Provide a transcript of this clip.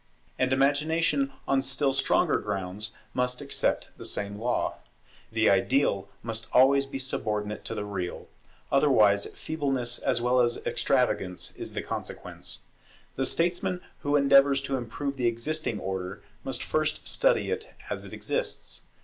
And Imagination on still stronger grounds must accept the same law. The ideal must always be subordinate to the real; otherwise feebleness as well as extravagance is the consequence. The statesman who endeavours to improve the existing order, must first study it as it exists.